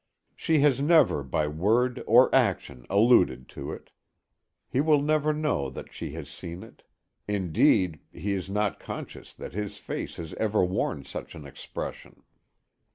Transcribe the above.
She has never by word or action alluded to it. He will never know that she has seen it indeed, he is not conscious that his face has ever worn such an expression.